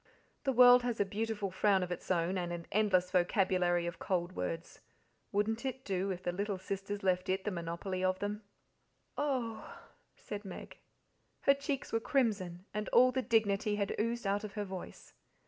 The world has a beautiful frown of its own, and an endless vocabulary of cold words wouldn't it do if the little sisters left it the monopoly of them?" "Oh h h!" said Meg. Her cheeks were crimson, and all the dignity had oozed out of her voice.